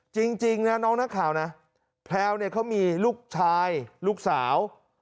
จริงนะน้องนักข่าวนะแพลวเนี่ยเขามีลูกชายลูกสาว